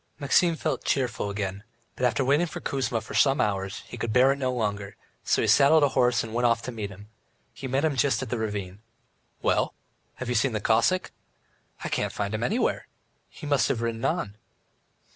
Maxim felt cheerful again, but after waiting for Kuzma for some hours, he could bear it no longer, so he saddled a horse and went off to meet him. He met him just at the Ravine. "Well, have you seen the Cossack?" "I can't find him anywhere, he must have ridden on."